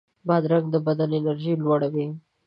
بادرنګ د بدن انرژي لوړوي.